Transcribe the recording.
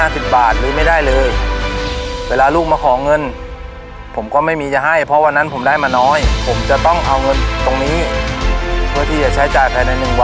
แกะปูม้าหนึ่ง